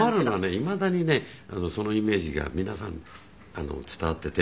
いまだにねそのイメージが皆さん伝わっていて。